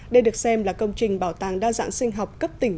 đây được xem là công trình bảo tàng đa dạng sinh học cấp ba đồng